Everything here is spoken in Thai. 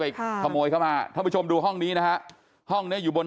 อีกค่ะขโมยเข้ามาท่านผู้ชมดูห้องนี้นะฮะห้องเนี้ยอยู่บน